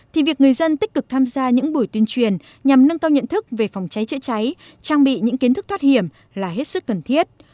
thì việc người dân tích cực tham gia những buổi tuyên truyền nhằm nâng cao nhận thức về phòng cháy chữa cháy trang bị những kiến thức thoát hiểm là hết sức cần thiết